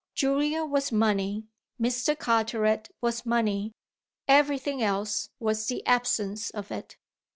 Julia was money, Mr. Carteret was money everything else was the absence of it.